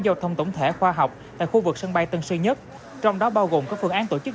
giao thông tổng thể khoa học tại khu vực sân bay tân sư nhất trong đó bao gồm các phương án tổ chức